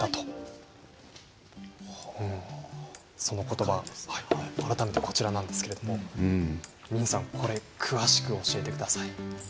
そのことば改めてこちらなんですけれども泯さん、詳しく教えてください。